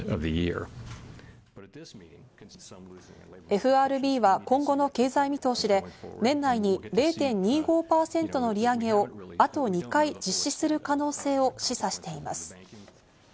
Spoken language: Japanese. ＦＲＢは今後の経済見通しで、年内に０．２５％の利上げをあと２回実施する可能性を示唆しています。